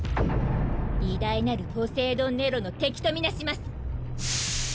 偉大なるポセイドン・ネロの敵と見なします！